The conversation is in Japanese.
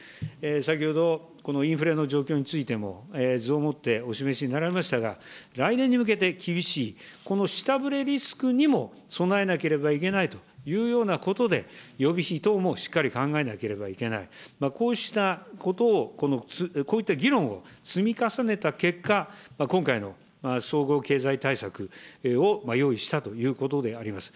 先ほど、インフレの状況についても、図をもってお示しになられましたが、来年に向けて厳しいこの下振れリスクにも備えなければいけないというようなことで、予備費等もしっかり考えなければいけない、こうしたことを、こういった議論を積み重ねた結果、今回の総合経済対策を用意したということであります。